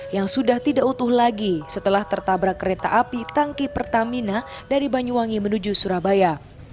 yang sudah tidak utuh lagi setelah tertabrak kereta api tangki pertamina dari banyuwangi menuju surabaya